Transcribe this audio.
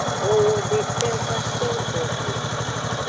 Owo deke va keng gboxwe.